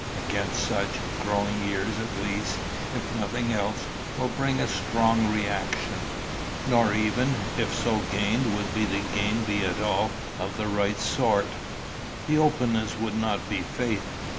Against such, growing years at least, if nothing else, will bring a strong reaction. Nor even, if so gained would the gain be at all of the right sort. The openness would not be faith.